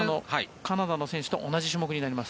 カナダの選手と同じ種目になります。